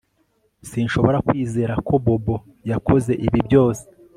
Sinshobora kwizera ko Bobo yakoze ibi byose